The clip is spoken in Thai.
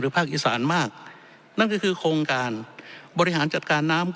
ภาคอีสานมากนั่นก็คือโครงการบริหารจัดการน้ำ